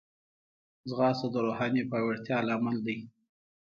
ځغاسته د روحاني پیاوړتیا لامل دی